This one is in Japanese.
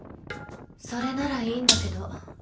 それならいいんだけど。